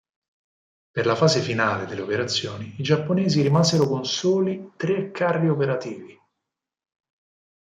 Per la fase finale delle operazioni i giapponesi rimasero con soli tre carri operativi.